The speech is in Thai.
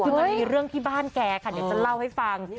คือมันมีเรื่องที่บ้านแกค่ะเดี๋ยวจะเล่าให้ฟัง